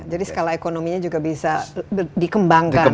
jadi skala ekonominya juga bisa dikembangkan